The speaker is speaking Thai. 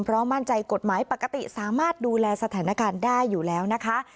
เพราะมั่นใจกฎหมายปกติสามารถดูแลสถานการณ์ได้อยู่แล้วนะคะ